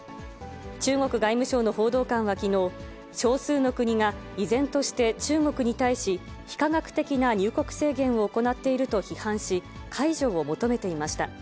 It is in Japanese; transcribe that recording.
中国外務省の報道官はきのう、少数の国が依然として中国に対し、非科学的な入国制限を行っていると批判し、解除を求めていました。